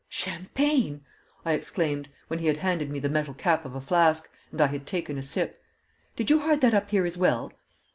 "Champagne!" I exclaimed, when he had handed me the metal cap of a flask, and I had taken a sip. "Did you hide that up here as well?"